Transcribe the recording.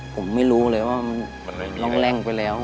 ผมไม่รู้เลยว่ามันร่องแร่งไปแล้ว